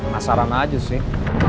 masa rana aja sih